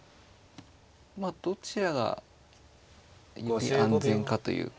まあどちらがより安全かというか。